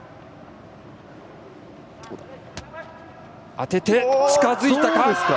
当てて、近づいたか。